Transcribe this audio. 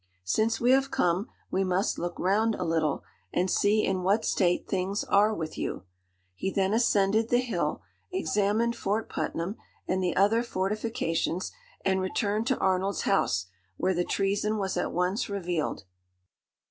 Since we have come, we must look round a little, and see in what state things are with you." He then ascended the hill, examined Fort Putnam and the other fortifications, and returned to Arnold's house, where the treason was at once revealed.